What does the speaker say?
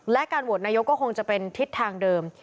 และการโหวตนายกก็คงจะเป็นทิศทางเดิม